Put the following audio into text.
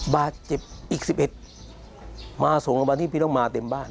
บาดเจ็บอีก๑๑มาส่งโรงพยาบาลที่พี่น้องมาเต็มบ้าน